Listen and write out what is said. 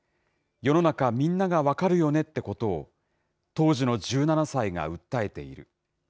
世の中みんなが分かるよねってことを当時の１７歳が訴えている。